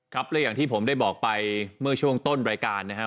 ครับและอย่างที่ผมได้บอกไปเมื่อช่วงต้นรายการนะครับ